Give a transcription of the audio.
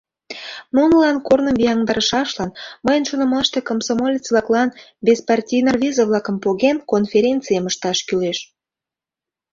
Нунылан корным вияҥдарышашлан, мыйын шонымаште, комсомолец-влаклан, «беспартийный» рвезе-влакым поген, конференцийым ышташ кӱлеш.